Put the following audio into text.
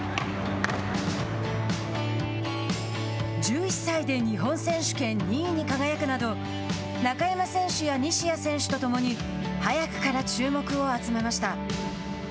１１歳で日本選手権２位に輝くなど中山選手や西矢選手とともに早くから注目を集めました。